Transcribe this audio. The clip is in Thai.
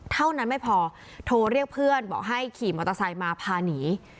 เท่านั้นไม่พอโทรเรียกเพื่อนบอกให้ขี่มอเตอร์ไซค์มาพาหนี